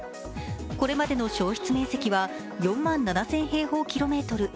これまでの焼失面積は４万７０００平方キロメートル